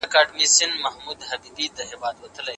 دا یوه داسې پروسه وه چي ټول ولس ځان پکښي لیده.